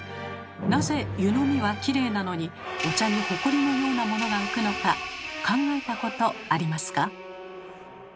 なぜ湯のみはきれいなのにお茶にホコリのようなものが浮くのか考えたことありますか？